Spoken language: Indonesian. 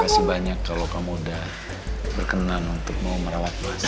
terima kasih banyak kalau kamu udah berkenan untuk mau merawat papi kamu ya